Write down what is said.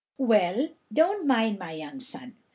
"Well, don't mind, my young son.